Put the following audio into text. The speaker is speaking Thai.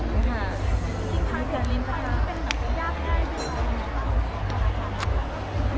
คุณพาสุดลิ้นค่ะมันเป็นยากได้เป็นไหม